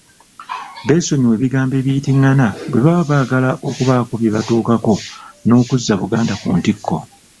Beesonyiwe ebigambo ebiyitingana bwe baba baagala okubaako bye batuukako n’okuzza Buganda ku ntikko.